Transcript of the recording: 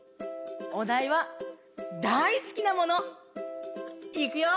おだいは「だいすきなもの」。いくよ！